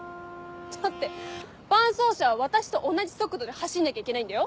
だって伴走者は私と同じ速度で走んなきゃいけないんだよ？